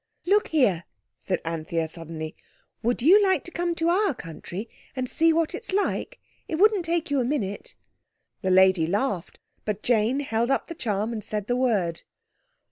"Look here," said Anthea suddenly, "would you like to come to our country, and see what it's like? It wouldn't take you a minute." The lady laughed. But Jane held up the charm and said the word.